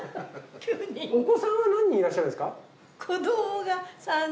お子さんは何人いらっしゃるんですか？